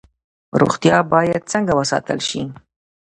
روغتیا باید څنګه وساتل شي؟